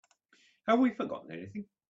Have we forgotten anything?